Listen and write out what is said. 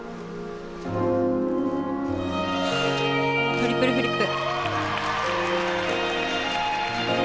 トリプルフリップ。